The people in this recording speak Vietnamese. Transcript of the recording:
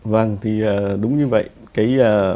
vâng thì đúng như vậy